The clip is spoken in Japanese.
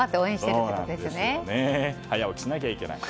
早起きしなきゃいけない。